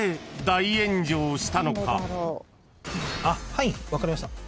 はい分かりました。